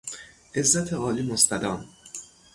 عزت عالی مستدام